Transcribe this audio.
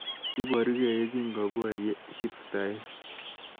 kiiborugei yekingoborye shiftaek